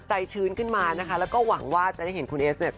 ชื้นขึ้นมานะคะแล้วก็หวังว่าจะได้เห็นคุณเอสเนี่ย